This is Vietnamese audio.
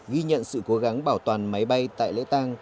ghi nhận sự cố gắng bảo toàn máy bay tại lễ tàng